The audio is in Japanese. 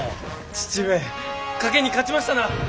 父上賭けに勝ちましたな！